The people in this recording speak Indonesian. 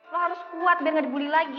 lo harus kuat biar nggak dibully lagi